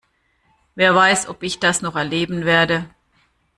Wer weiß, ob ich das noch erleben werde?